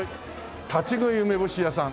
「立ち喰い梅干し屋」さん。